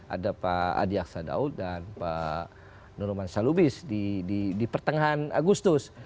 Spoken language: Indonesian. ada pak adi aksadaud dan pak nurman salubis di pertengahan agustus